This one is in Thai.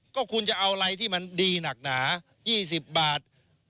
ก็คุณจะเอาอะไรที่มันดีหนักหนา๒๐บาท